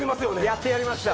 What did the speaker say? やってやりました！